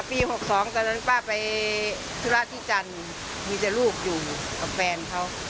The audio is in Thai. ปี๖๒ตอนนั้นป้าไปธุระที่จันทร์มีแต่ลูกอยู่กับแฟนเขา